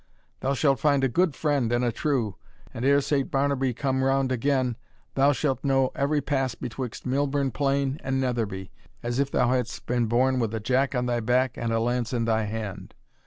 Thou shalt find a good friend and a true; and ere Saint Barnaby come round again, thou shalt know every pass betwixt Millburn Plain and Netherby, as if thou hadst been born with a jack on thy back, and a lance in thy hand.